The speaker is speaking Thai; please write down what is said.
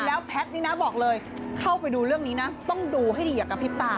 แล้วแพทย์นี่นะบอกเลยเข้าไปดูเรื่องนี้นะต้องดูให้ดีอย่ากระพริบตา